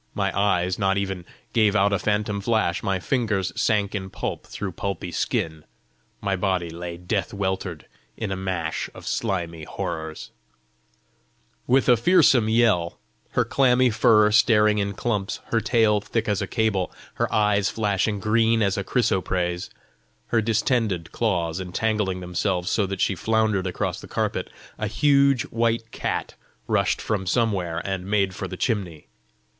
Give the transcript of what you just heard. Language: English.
My eyes not even gave out a phantom flash; My fingers sank in pulp through pulpy skin; My body lay death weltered in a mash Of slimy horrors " With a fearsome yell, her clammy fur staring in clumps, her tail thick as a cable, her eyes flashing green as a chrysoprase, her distended claws entangling themselves so that she floundered across the carpet, a huge white cat rushed from somewhere, and made for the chimney.